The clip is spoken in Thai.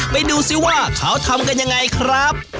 ไปดูซิว่าเขาทำกันยังไงครับ